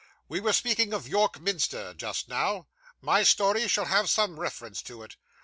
We were speaking of York Minster just now. My story shall have some reference to it.